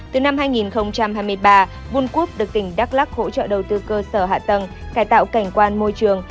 từ năm hai nghìn hai mươi ba vun cúp được tỉnh đắk lắc hỗ trợ đầu tư cơ sở hạ tầng cải tạo cảnh quan môi trường